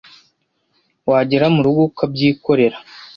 wagera mu rugo ukabyikorera